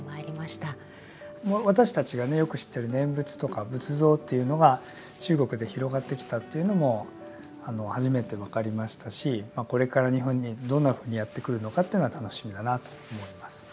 私たちがよく知っている念仏とか仏像というのが中国で広がってきたというのも初めて分かりましたしこれから日本にどんなふうにやって来るのかというのが楽しみだなと思います。